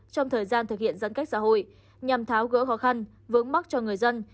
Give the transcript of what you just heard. trong thời gian thực hiện giãn cách xã hội nhằm tháo gỡ khó khăn vững mắc cho người dân